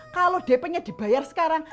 kalau dp nya dibayar sekarang